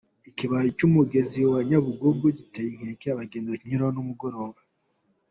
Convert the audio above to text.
Ikibaya cy’umugezi wa Nyabugogo giteye inkeke abagenzi bakinyuramo ku mugoroba